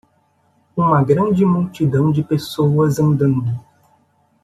Uma grande multidão de pessoas andando.